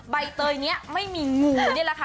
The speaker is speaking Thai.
ใบเตยนี้ไม่มีงูนี่แหละค่ะ